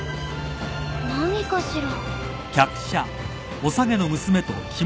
何かしら？